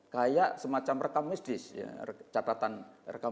kayak semacam rekam medis catatan rekam